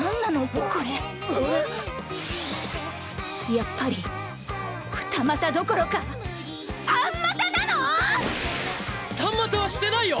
やっぱり二股どころか三股なの⁉三股はしてないよ！